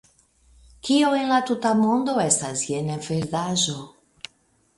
Kio en la tuta mondo estas jena verdaĵo?